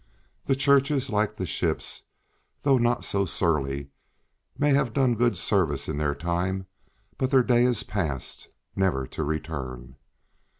The churches, like the ships, though not so surely, may have done good service in their time; but their day is past, never to return.